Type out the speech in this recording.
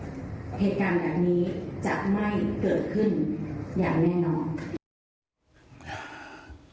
เหตุการณ์แบบนี้จะไม่เกิดขึ้นอย่างแน่นอน